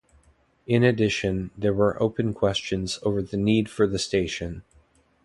In addition, there were open questions over the need for the station.